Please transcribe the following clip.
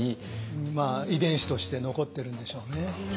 遺伝子として残ってるんでしょうね。